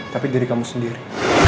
tapi dari kamu sendiri